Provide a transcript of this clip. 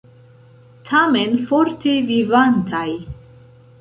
Tamen forte vivantaj!